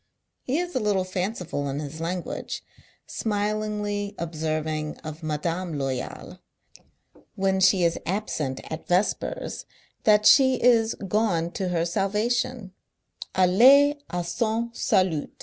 He is a little fanciful in his language: smilingly observing of Madame Loyal, when she is absent at vespers, that she is "gone to her salvation" — allee a son salut.